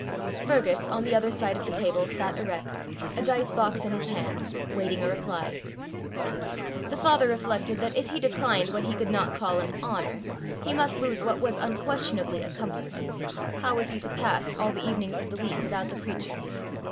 Fergus, on the other side of the table, sat erect, a dice box in his hand, waiting a reply. The father reflected that if he declined what he could not call an honour, he must lose what was unquestionably a comfort: how was he to pass all the evenings of the week without the preacher?